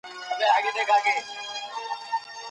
زموږ هره کړنه د فکر پایله ده.